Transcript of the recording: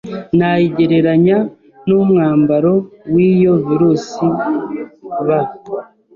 nayigereranya n’umwambaro wiyo virus B